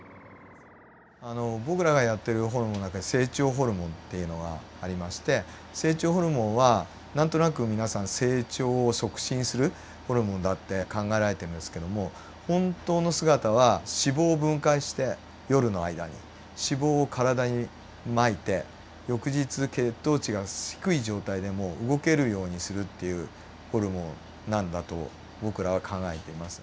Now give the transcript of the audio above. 僕らがやっているホルモンの中に成長ホルモンっていうのがありまして成長ホルモンは何となく皆さん成長を促進するホルモンだって考えられているんですけども本当の姿は脂肪を分解して夜の間に脂肪を体にまいて翌日血糖値が低い状態でも動けるようにするっていうホルモンなんだと僕らは考えています。